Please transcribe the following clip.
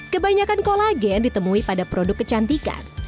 kebanyakan kolagen ditemui pada produk kecantikan